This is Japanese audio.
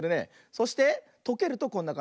そしてとけるとこんなかんじ。